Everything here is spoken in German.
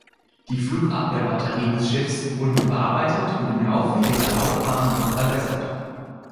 Die Flugabwehrbatterien des Schiffs wurden überarbeitet und im Laufe ihrer Laufbahn noch verbessert.